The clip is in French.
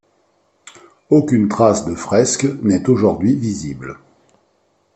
Aucune trace de fresques n'est aujourd'hui visible.